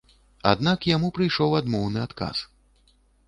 Аднак яму прыйшоў адмоўны адказ.